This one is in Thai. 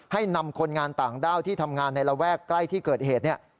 นำคนงานต่างด้าวที่ทำงานในระแวกใกล้ที่เกิดเหตุเนี่ย